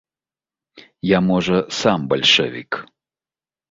Я, можа, сам бальшавік.